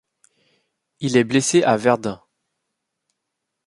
Il est blessé à Verdun.